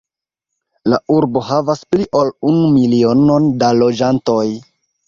La urbo havas pli ol unu milionon da loĝantoj.